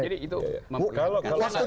jadi itu memperlahankan